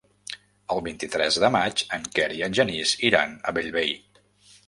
El vint-i-tres de maig en Quer i en Genís iran a Bellvei.